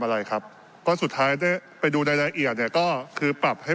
อะไรครับก็สุดท้ายได้ไปดูรายละเอียดเนี่ยก็คือปรับให้